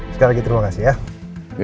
sekarang kita terima kasih ya